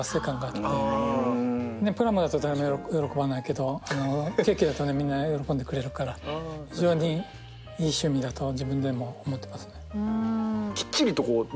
プラモだと誰も喜ばないけどケーキだとみんな喜んでくれるから非常にいい趣味だと自分でも思ってますね。